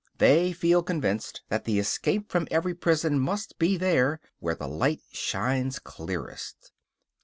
They feel convinced that the escape from every prison must be there where the light shines clearest.